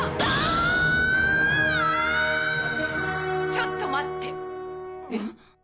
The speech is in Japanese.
ちょっと待って！